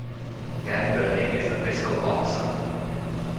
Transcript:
Dan Berning is the fiscal officer.